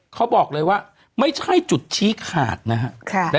เขาบอกเลยว่าไม่ใช่จุดชี้ขาดนะฮะ